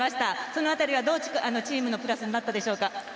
その辺りは、どうチームのプラスになったでしょうか？